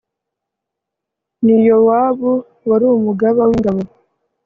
ni yowabu wari umugaba w'ingabo